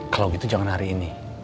kalau gitu jangan hari ini